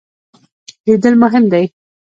لیدل مهم دی.